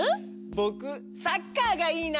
ぼくサッカーがいいな！